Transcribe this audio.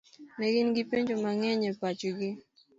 Ne gin gi penjo mang'eny e pachgi.